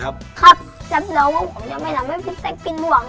หาร้องหน่อย